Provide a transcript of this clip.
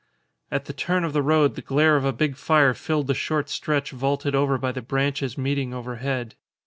At the turn of the road the glare of a big fire filled the short stretch vaulted over by the branches meeting overhead.